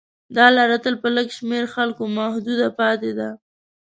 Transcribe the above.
دا لاره تل په لږ شمېر خلکو محدوده پاتې ده.